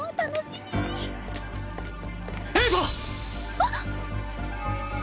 あっ。